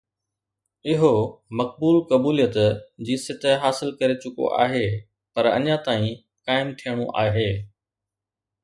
اهو مقبول قبوليت جي سطح حاصل ڪري چڪو آهي پر اڃا تائين قائم ٿيڻو آهي.